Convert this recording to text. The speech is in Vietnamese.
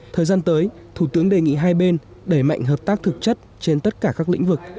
thời gian tới thủ tướng đề nghị hai bên đẩy mạnh hợp tác thực chất trên tất cả các lĩnh vực